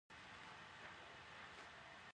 آیا د ایران کیسه پای نلري؟